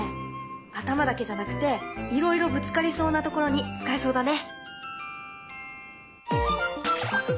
頭だけじゃなくていろいろぶつかりそうなところに使えそうだね。